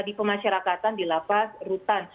di pemasyarakatan di lapas rutan